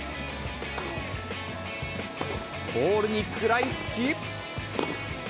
ボールに食らいつき。